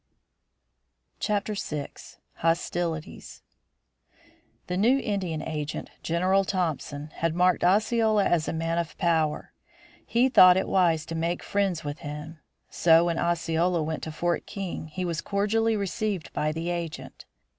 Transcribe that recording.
VI. HOSTILITIES The new Indian agent, General Thompson, had marked Osceola as a man of power. He thought it wise to make friends with him. So when Osceola went to Fort King he was cordially received by the agent.